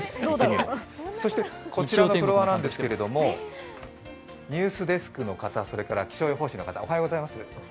そしてこちらのフロアなんですけれどもニュースデスクの方、それから気象予報士の方、おはようございます。